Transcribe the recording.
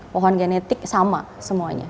pohon genetik sama semuanya